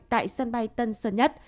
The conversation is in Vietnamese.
tại sân bay tân sơn nhất